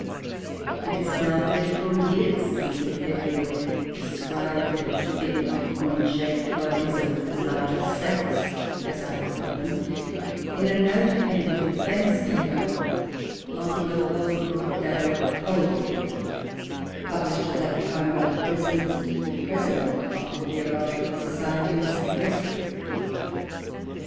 It is now thirty four years since he carefully described and figured the coin shaped bodies, or larger sacs, as I have called them, in a note appended to the famous paper "On the Coalbrookdale Coal Field," published at that time, by the present President of the Geological Society, Mr. Prestwich.